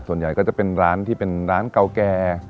ส่วนใหญ่ก็จะเป็นร้านที่เป็นร้านเก่าแก่